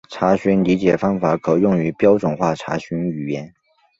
查询理解方法可用于标准化查询语言。